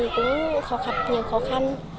cũng khó khăn nhiều khó khăn